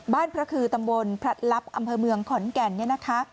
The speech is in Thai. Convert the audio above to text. บ้านพระคือตำวลผลัดลัพธ์อำเผอมือขอนแก่นนี้นะคะ